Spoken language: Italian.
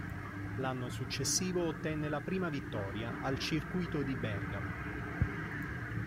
L'anno successivo ottenne la prima vittoria, al "Circuito di Bergamo".